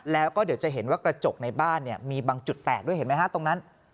แล้วก็เดี๋ยวจะเห็นว่ากระจกในบ้านมีบางจุดแตกด้วยเห็นไหมฮะตรงนั้น